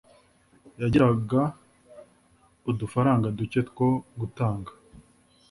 Yagiraga udufaranga duke two gutanga,